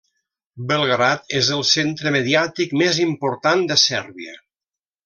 Belgrad és el centre mediàtic més important de Sèrbia.